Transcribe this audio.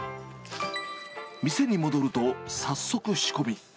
店に戻ると、早速仕込み。